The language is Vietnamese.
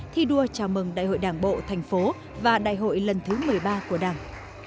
thi đua chào mừng đại hội đảng bộ thành phố và đại hội lần thứ một mươi ba của đảng